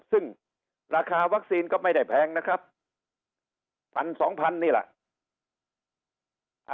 ซึ่งราคาวัคซีนก็ไม่ได้แพงนะครับ๑๒๐๐นี่แหละ